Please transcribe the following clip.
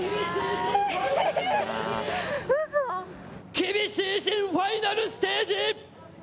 厳しい新ファイナルステージ。